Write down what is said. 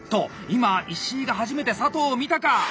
今石井が初めて佐藤を見たか！